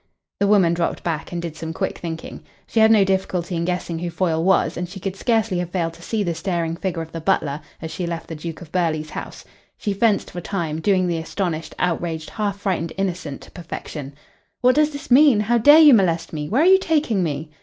The woman dropped back and did some quick thinking. She had no difficulty in guessing who Foyle was, and she could scarcely have failed to see the staring figure of the butler as she left the Duke of Burghley's house. She fenced for time, doing the astonished, outraged, half frightened innocent to perfection. "What does this mean? How dare you molest me? Where are you taking me?"